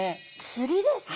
釣りですか？